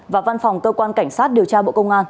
và văn phòng cơ quan cảnh sát điều tra bộ công an